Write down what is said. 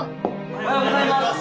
おはようございます。